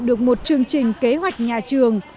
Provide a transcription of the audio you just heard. được một chương trình kế hoạch nhà trường